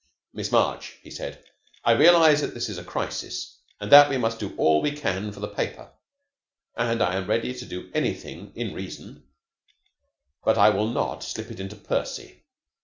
"Miss March," he said, "I realize that this is a crisis, and that we must all do all that we can for the paper, and I am ready to do anything in reason but I will not slip it into Percy.